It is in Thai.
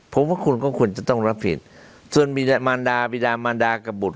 เพราะว่าคุณก็ควรจะต้องรับผิดส่วนมรรดาบิดามรรดากระบุฎ